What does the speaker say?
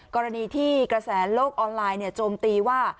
กรณีที่กระแสโลกออนไลน์โจมตีว่า